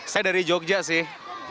saya dari jogja sih